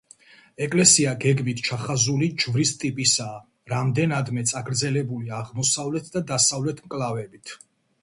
ეკლესია გეგმით ჩახაზული ჯვრის ტიპისაა, რამდენადმე წაგრძელებული აღმოსავლეთ და დასავლეთ მკლავებით.